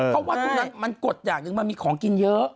เพราะว่าตรงนั้นมันกดอย่างหนึ่งมันมีของกินเยอะ